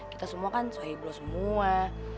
kita semua kan sohib lo semua